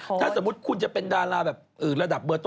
ถ้าสมมุติคุณจะเป็นดาราแบบระดับเบอร์ต้น